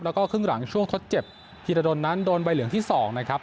แล้วก็ครึ่งหลังช่วงทดเจ็บธีรดลนั้นโดนใบเหลืองที่๒นะครับ